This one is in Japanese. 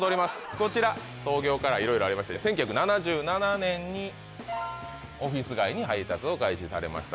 こちら創業からいろいろありまして１９７７年にオフィス街に配達を開始されました